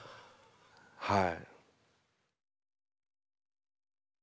はい。